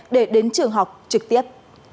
để đến trường học trực tiếp